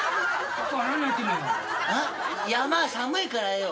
山は寒いからよ